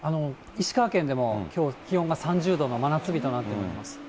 石川県でもきょう、気温が３０度の真夏日となっております。